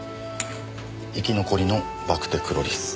生き残りのバクテクロリス。